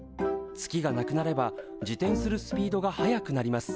月がなくなれば自転するスピードが速くなります。